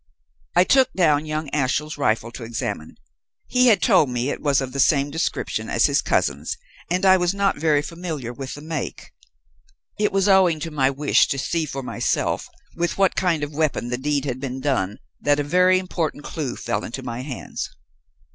I took down young Ashiel's rifle to examine. He had told me it was of the same description as his cousin's, and I was not very familiar with the make. It was owing to my wish to see for myself with what kind of weapon the deed had been done that a very important clue fell into my hands.